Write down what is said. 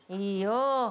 「いいよ。